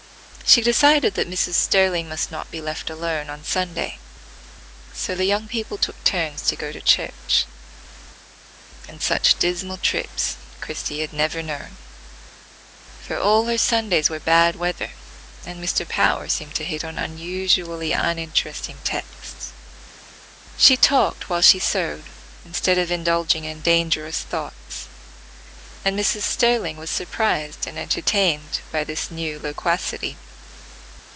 She decided that Mrs. Sterling must not be left alone on Sunday, so the young people took turns to go to church, and such dismal trips Christie had never known; for all her Sundays were bad weather, and Mr. Power seemed to hit on unusually uninteresting texts. She talked while she sewed instead of indulging in dangerous thoughts, and Mrs. Sterling was surprised and entertained by this new loquacity.